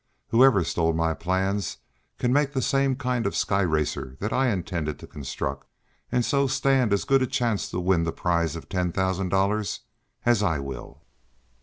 Whoever stole my plans can make the same kind of a sky racer that I intended to construct, and so stand as good a chance to win the prize of ten thousand dollars as I will."